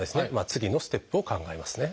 次のステップを考えますね。